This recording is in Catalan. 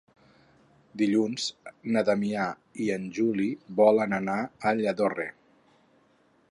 Dilluns na Damià i en Juli volen anar a Lladorre.